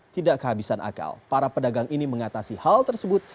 tidak kehabisan akal para pedagang ini mengatasi hal tersebut